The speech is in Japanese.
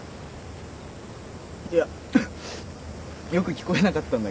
いやよく聞こえなかったんだけど。